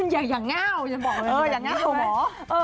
อย่างง่าวฉันบอกว่าอย่างง่าวเหรอ